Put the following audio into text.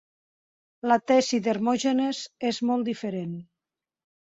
La tesi d'Hermògenes és molt diferent.